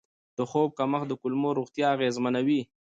د خوب کمښت د کولمو روغتیا اغېزمنوي.